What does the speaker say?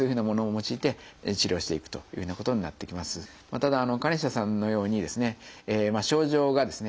ただ鐘下さんのようにですね症状がですね